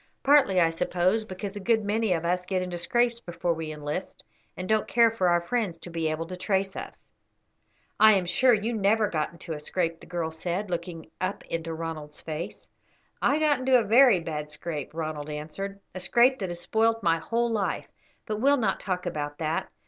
"Partly, I suppose, because a good many of us get into scrapes before we enlist, and don't care for our friends to be able to trace us." "I am sure you never got into a scrape," the girl said, looking up into Ronald's face. "I got into a very bad scrape," Ronald answered, "a scrape that has spoilt my whole life; but we will not talk about that.